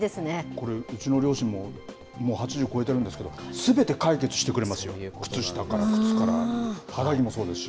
これ、うちの両親も、もう８０超えてるんですけど、すべて解決してくれますよ、靴下から靴から、肌着もそうですし。